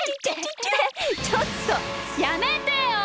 ちょっとやめてよ！